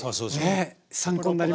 ねえ参考になります。